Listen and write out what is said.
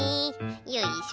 よいしょ。